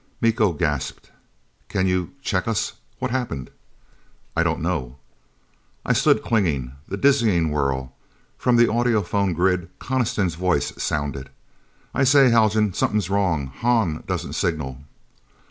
Miko gasped, "Can you check us? What happened?" "I don't know " I stood clinging. This dizzying whirl. From the audiphone grid Coniston's voice sounded. "I say, Haljan, something's wrong. Hahn doesn't signal."